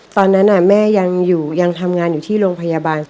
ตอนนั้นแม่ยังทำงานอยู่ที่โรงพยาบาล